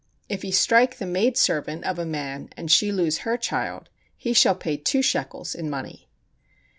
If he strike the maid servant of a man, and she lose her child, he shall pay two shekels in money.